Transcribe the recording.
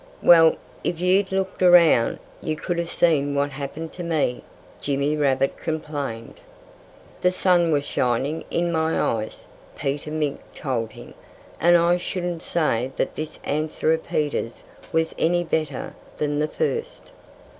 "Well, if you'd looked around, you could have seen what happened to me," Jimmy Rabbit complained. "The sun was shining in my eyes," Peter Mink told him and I shouldn't say that this answer of Peter's was any better than the first.